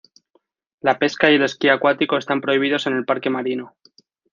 La pesca y el esquí acuático están prohibidos en el Parque Marino.